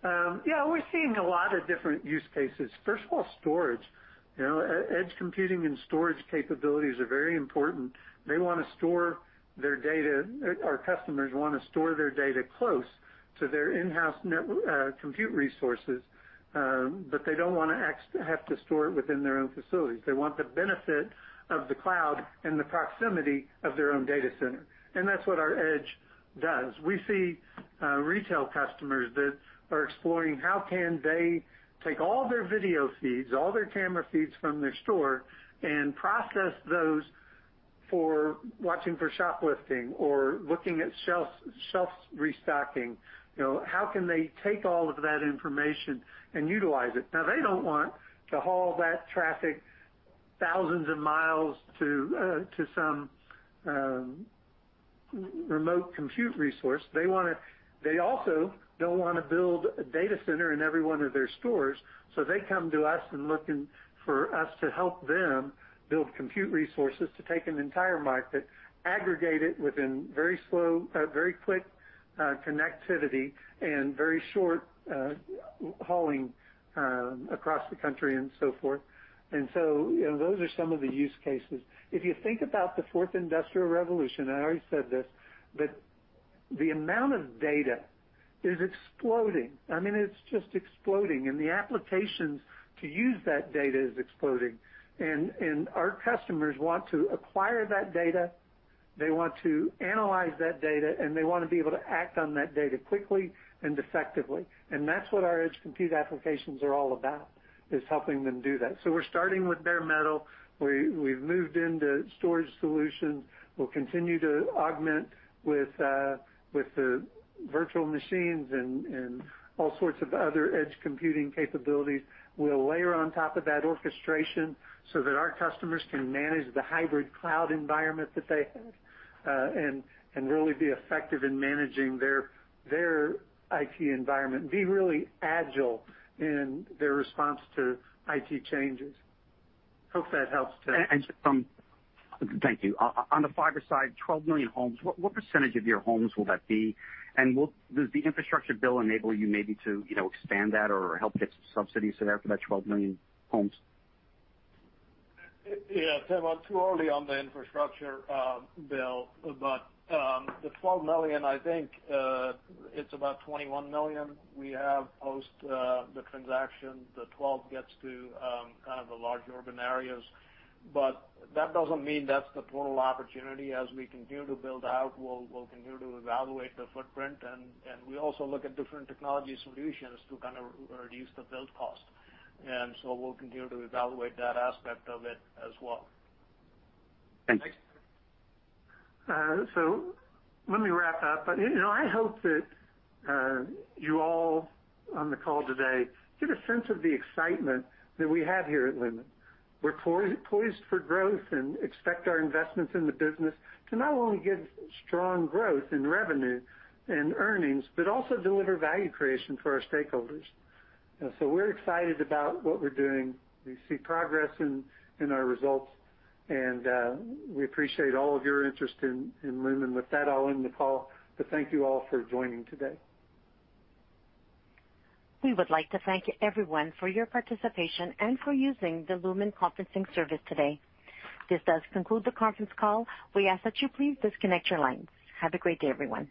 Yeah, we're seeing a lot of different use cases. First of all, storage. You know, edge computing and storage capabilities are very important. They wanna store their data, or customers wanna store their data close to their in-house network compute resources, but they don't wanna have to store it within their own facilities. They want the benefit of the cloud and the proximity of their own data center. That's what our Edge does. We see retail customers that are exploring how can they take all their video feeds, all their camera feeds from their store and process those for watching for shoplifting or looking at shelf restocking. You know, how can they take all of that information and utilize it? They don't want to haul that traffic thousands of miles to some remote compute resource. They also don't wanna build a data center in every one of their stores, so they come to us and looking for us to help them build compute resources to take an entire market, aggregate it within very quick connectivity and very short hauling across the country and so forth. You know, those are some of the use cases. If you think about the fourth industrial revolution, I already said this, but the amount of data is exploding. I mean, it's just exploding, and the applications to use that data is exploding. Our customers want to acquire that data, they want to analyze that data, and they wanna be able to act on that data quickly and effectively. That's what our edge compute applications are all about, is helping them do that. We're starting with bare metal. We've moved into storage solutions. We'll continue to augment with the virtual machines and all sorts of other edge computing capabilities. We'll layer on top of that orchestration so that our customers can manage the hybrid cloud environment that they have, and really be effective in managing their IT environment, and be really agile in their response to IT changes. Hope that helps, Tim. Thank you. On the fiber side, 12 million homes, what percentage of your homes will that be? Does the infrastructure bill enable you maybe to, you know, expand that or help get some subsidies in there for that 12 million homes? Yeah. Tim, too early on the infrastructure bill. The 12 million, I think, it's about 21 million we have post the transaction. The 12 gets to kind of the large urban areas. That doesn't mean that's the total opportunity. As we continue to build out, we'll continue to evaluate the footprint and we also look at different technology solutions to kind of reduce the build cost. We'll continue to evaluate that aspect of it as well. Thanks. Thanks. Let me wrap up. You know, I hope that you all on the call today get a sense of the excitement that we have here at Lumen. We're poised for growth and expect our investments in the business to not only give strong growth in revenue and earnings, but also deliver value creation for our stakeholders. We're excited about what we're doing. We see progress in our results, and we appreciate all of your interest in Lumen. With that, I'll end the call. Thank you all for joining today. We would like to thank everyone for your participation and for using the Lumen conferencing service today. This does conclude the Conference Call. We ask that you please disconnect your lines. Have a great day, everyone.